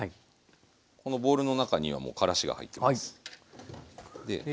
このボウルの中にはもうからしが入ってます。